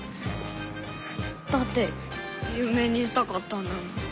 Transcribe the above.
だってゆう名にしたかったんだもん。